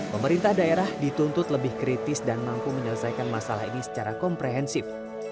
pemerintah daerah dituntut lebih kritis dan mampu menyelesaikan masalah ini secara komprehensif